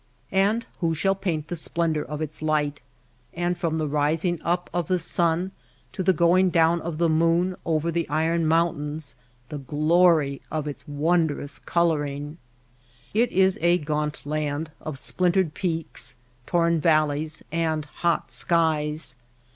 And who shall paint the splendor of its light ; and from the rising up of the sun to the going down of the moon over the iron mountains, the glory of its wondrous coloring ! It is a gaunt land of splintered peaks, torn valleys, and hot skies.